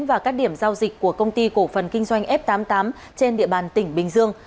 và các điểm giao dịch của công ty cổ phần kinh doanh f tám mươi tám trên địa bàn tỉnh bình dương